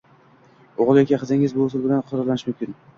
o‘g‘il yoki qizingiz bu usul bilan qurollanishi mumkin.